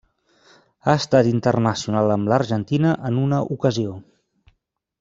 Ha estat internacional amb l'Argentina en una ocasió.